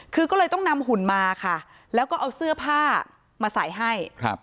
คือก็เลยต้องนำหุ่นมาค่ะแล้วก็เอาเสื้อผ้ามาใส่ให้ครับ